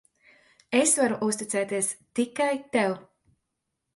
Es varu uzticēties tikai tev.